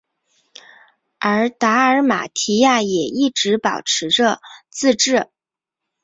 而达尔马提亚也一直保持着自治。